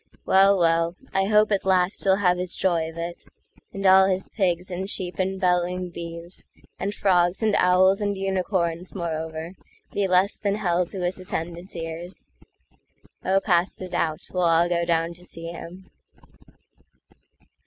Well, well,I hope at last he'll have his joy of it, And all his pigs and sheep and bellowing beeves, And frogs and owls and unicorns, moreover, Be less than hell to his attendant ears. Oh, past a doubt we'll all go down to see him.